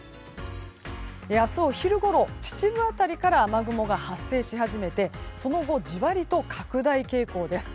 明日お昼ごろ、秩父辺りから雨雲が発生し始めて、その後じわりと拡大傾向です。